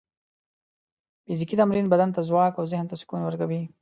فزیکي تمرین بدن ته ځواک او ذهن ته سکون ورکوي.